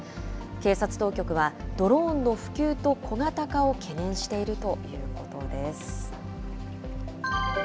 警察当局はドローンの普及と小型化を懸念しているということです。